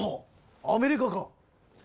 アメリカか！